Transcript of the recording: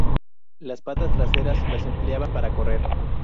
La patas traseras las empleaba para correr.